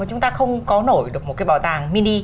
chúng ta không có nổi được một cái bảo tàng mini